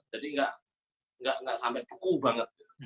jadi nggak sampai puku banget